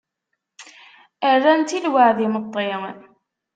Rran-tt i lweɛd imeṭṭi.